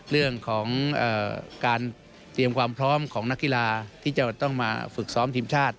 เรื่องของการเตรียมความพร้อมของนักกีฬาที่จะต้องมาฝึกซ้อมทีมชาติ